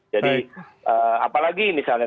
jadi apalagi misalnya